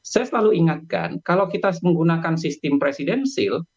saya selalu ingatkan kalau kita menggunakan sistem presidensil